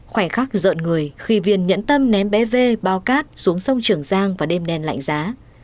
khoẻ khắc giận người khi viên nhẫn tâm ném bé v bao cát xuống sông trường giang vào đêm đen lạnh giá